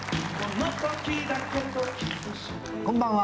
こんばんは。